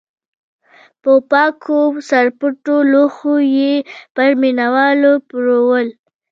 په پاکو سرپټو لوښیو یې پر مینه والو پلورل.